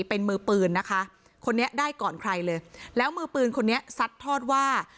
เป็นมือปืนนะคะคนนี้ได้ก่อนใครเลยแล้วมือปืนคนนี้ซัดทอดว่า